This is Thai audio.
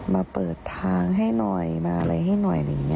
มาเปิดทางให้หน่อยมาอะไรให้หน่อยอะไรอย่างนี้